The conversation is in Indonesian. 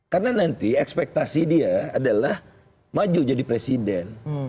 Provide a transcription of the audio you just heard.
karena nanti ekspektasi dia adalah maju jadi presiden